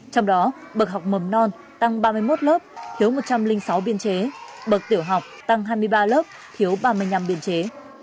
trong đó bậc học mầm non tăng ba mươi một lớp thiếu một trăm linh sáu biên chế bậc tiểu học tăng hai mươi ba lớp thiếu ba mươi năm biên chế